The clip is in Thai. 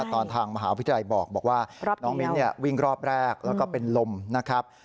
ทางมหาวิทยาลัยบอกว่าน้องมิ้นวิ่งรอบแรกแล้วก็เป็นลมนะครับ